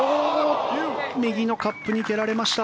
右のカップに蹴られました。